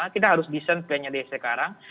kita harus desain plannya dari sekarang